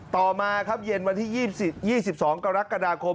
ต่อมาครับเย็นวันที่๒๒กรกฎาคม